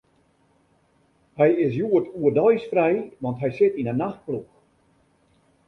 Hy is hjoed oerdeis frij, want hy sit yn 'e nachtploech.